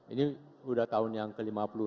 ini sudah tahun yang ke lima puluh enam